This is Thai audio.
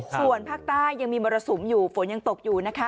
ส่วนภาคใต้ยังมีมรสุมอยู่ฝนยังตกอยู่นะคะ